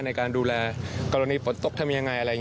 ในการดูแลกรณีปลดตกทำอย่างไร